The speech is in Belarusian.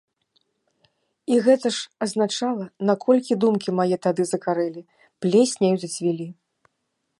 І гэта ж азначала, наколькі думкі мае тады закарэлі, плесняю зацвілі.